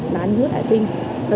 là anh dứa đại kinh